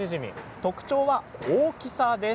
特徴は大きさです。